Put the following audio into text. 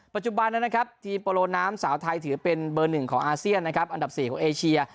ปัจจุบันนะครับทีมโปโลน้ำสาวไทยถือเป็นเบอร์๑ของอาเซียนนะครับอันดับ๔ของเอเชีย